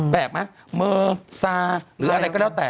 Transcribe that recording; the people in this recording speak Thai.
แบบมะเมอร์ซาร์หรืออะไรก็แล้วแต่